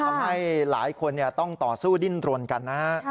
ทำให้หลายคนต้องต่อสู้ดิ้นรนกันนะฮะ